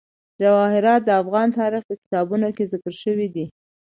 جواهرات د افغان تاریخ په کتابونو کې ذکر شوی دي.